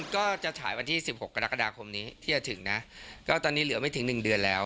ก็จะฉายวันที่๑๖กรกฎาคมนี้ที่จะถึงนะก็ตอนนี้เหลือไม่ถึง๑เดือนแล้ว